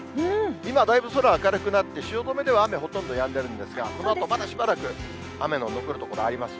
今、だいぶ空、明るくなって、汐留では雨ほとんどやんでるんですが、このあとまだしばらく、雨の残る所あります。